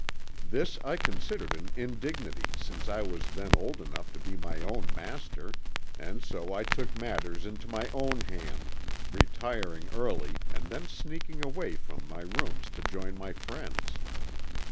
This I considered an indignity since I was then old enough to be my own master, and so I took matters into my own hand, retiring early and then sneaking away from my rooms to join my friends.